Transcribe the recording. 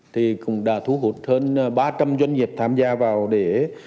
thì cũng đã thu hút hơn ba trăm linh doanh nghiệp tham gia vào để